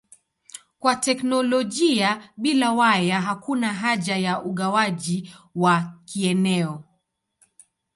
Kwa teknolojia bila waya hakuna haja ya ugawaji wa kieneo.